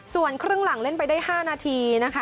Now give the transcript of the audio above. ส่วนครึ่งหลังเล่นไปได้๕นาทีนะคะ